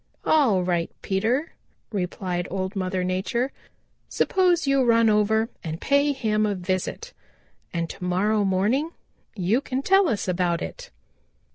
"All right, Peter," replied Old Mother Nature, "suppose you run over and pay him a visit and to morrow morning you can tell us about it."